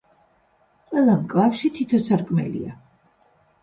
ყველა მკლავში თითო სარკმელია.